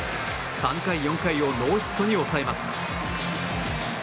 ３回、４回をノーヒットに抑えます。